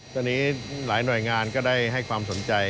ตอนนี้หลายหน่วยงานก็ได้ให้ความสนใจ